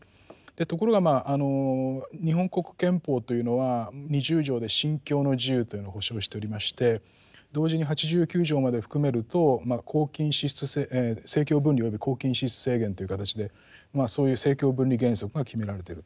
ところが日本国憲法というのは二十条で信教の自由というのを保障しておりまして同時に八十九条まで含めると政教分離および公金支出制限という形でそういう政教分離原則が決められてると。